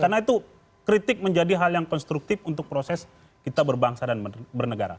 karena itu kritik menjadi hal yang konstruktif untuk proses kita berbangsa dan bernegara